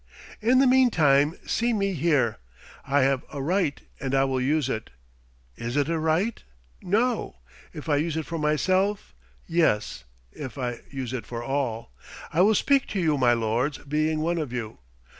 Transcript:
In the meantime, see me here. I have a right, and I will use it. Is it a right? No, if I use it for myself; yes, if I use it for all. I will speak to you, my lords, being one of you.